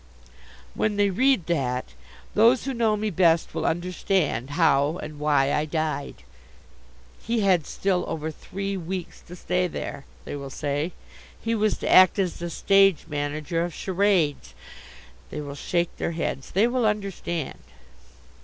When they read that, those who know me best will understand how and why I died. "He had still over three weeks to stay there," they will say. "He was to act as the stage manager of charades." They will shake their heads. They will understand.